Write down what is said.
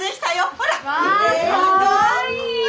ほら！わあかわいい！